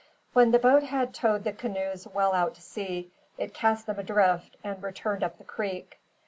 When the boat had towed the canoes well out to sea, it cast them adrift and returned up the creek.